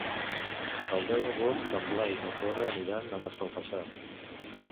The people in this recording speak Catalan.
El deu d'agost en Blai i na Cora aniran a Massalfassar.